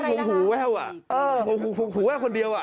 ผมว่าผมหูแววผมหูแววคนเดียว